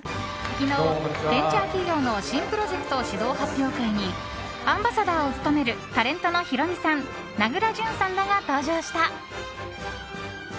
昨日、ベンチャー企業の新プロジェクト始動発表会にアンバサダーを務めるタレントのヒロミさん名倉潤さんらが登場した。